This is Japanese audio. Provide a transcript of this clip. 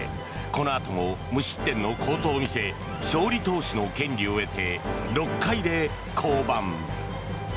このあとも無失点の好投を見せ勝利投手の権利を得て６回で降板。